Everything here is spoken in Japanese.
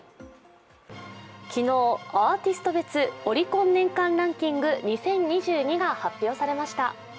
昨日、アーティスト別オリコン年間ランキング２０２２が発表されました。